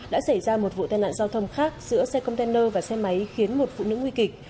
đã xảy ra một vụ tai nạn giao thông khác giữa xe container và xe máy khiến một phụ nữ nguy kịch